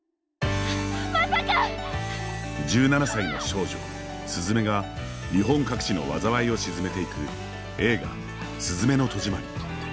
１７歳の少女・鈴芽が日本各地の災いを鎮めていく映画「すずめの戸締まり」。